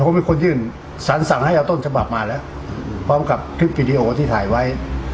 ผมเป็นคนยื่นสารสั่งให้เอาต้นฉบับมาแล้วพร้อมกับคลิปวิดีโอที่ถ่ายไว้